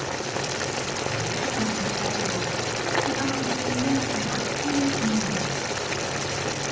痛いかもしれないけど、ちょっと我慢してみようかなという気になる」。